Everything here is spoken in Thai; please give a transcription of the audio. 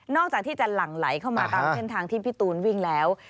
จากที่จะหลั่งไหลเข้ามาตามเส้นทางที่พี่ตูนวิ่งแล้ว